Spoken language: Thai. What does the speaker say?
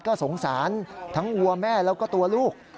ก็สงสารทั้งวัวแม่แล้วก็ตัวลูก